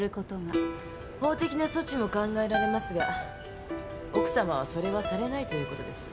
法的な措置も考えられますが奥さまはそれはされないということです。